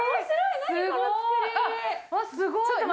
すごい！